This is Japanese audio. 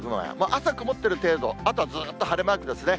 朝曇ってる程度、あとはずっと晴れマークですね。